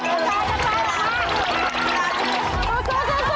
เมดาโซโซ